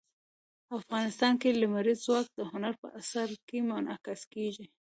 افغانستان کې لمریز ځواک د هنر په اثار کې منعکس کېږي.